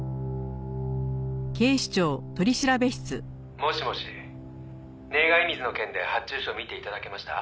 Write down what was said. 「もしもし」「願い水の件で発注書見て頂けました？」